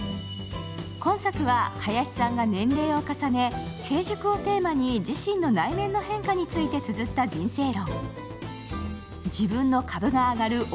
今作は林さんが年齢を重ね成熟をテーマに自身の内面の変化についてつづった人生論。